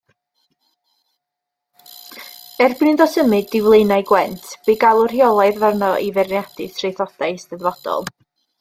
Erbyn iddo symud i Flaenau Gwent bu galw rheolaidd arno i feirniadu traethodau eisteddfodol.